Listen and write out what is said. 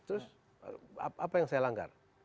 terus apa yang saya langgar